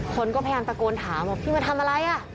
คนก็พยายามตะโกนถามว่าพี่มาทำอะไรอ่ะ